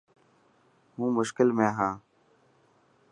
هون مشڪل ۾ هان.